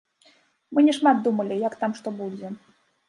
Мы не шмат думалі, як там што будзе.